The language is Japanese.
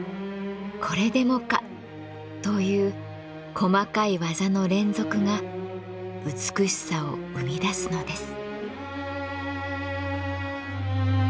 「これでもか！」という細かい技の連続が美しさを生み出すのです。